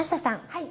はい。